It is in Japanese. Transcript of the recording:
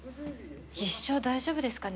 技師長大丈夫ですかね。